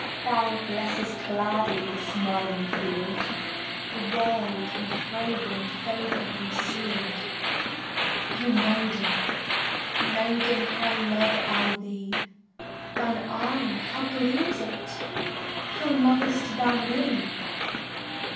Thou blessest gladly The smiling field, The world in fragrant Vapour conceal'd. Oh maiden, maiden, How love I thee! Thine eye, how gleams it! How lov'st thou me!